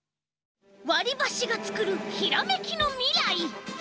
わりばしがつくるひらめきのみらい。